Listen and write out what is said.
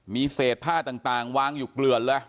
มีเศษผ้าต่างวางอยู่เกลือนเลย